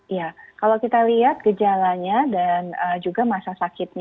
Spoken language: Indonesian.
iya kalau kita lihat gejalanya dan juga masa sakitnya